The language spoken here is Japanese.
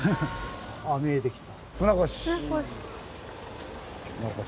見えてきた。